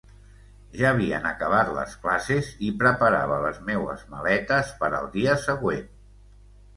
Ja havien acabat les classes i preparava les meues maletes per al dia següent.